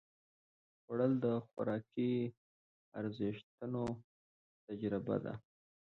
خوړل د خوراکي ارزښتونو تجربه ده